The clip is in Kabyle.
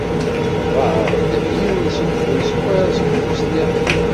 Teṭṭef-aɣ-d yiwen seg ufus, wayeḍ seg ufus nniḍen.